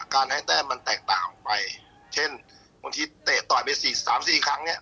การให้แต้มมันแตกต่างไปเช่นบางทีเตะต่อยไป๓๔ครั้งเนี่ย